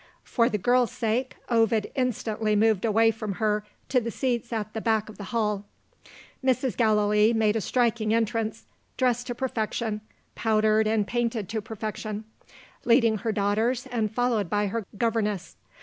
For the girl's sake, Ovid instantly moved away from her to the seats at the back of the hall. Mrs. Gallilee made a striking entrance dressed to perfection; powdered and painted to perfection; leading her daughters, and followed by her governess.